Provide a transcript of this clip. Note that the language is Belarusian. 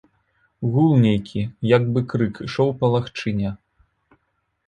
Гул нейкі, як бы крык, ішоў па лагчыне.